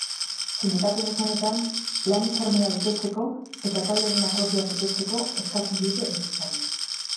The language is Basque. Sindikatuen esanetan, lan-hitzarmena betetzeko eta taldearen akordioak betetzeko eskatzen diote enpresari.